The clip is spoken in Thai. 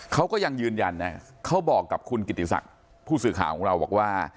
เขาก็ยังยืนยันนะเขาบอกกับคุณกิติศักดิ์ผู้สื่อข่าวของเราบอกว่า